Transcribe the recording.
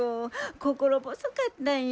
心細かったんよ！